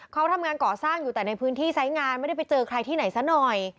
เขาทำงานก่อสร้างอยู่แต่ในพื้นที่ไซส์งานไม่ได้ไปเจอใครที่ไหนซะหน่อย